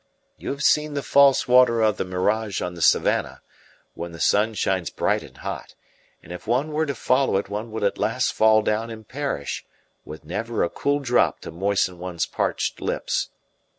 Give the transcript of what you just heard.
You have seen the false water of the mirage on the savannah, when the sun shines bright and hot; and if one were to follow it one would at last fall down and perish, with never a cool drop to moisten one's parched lips.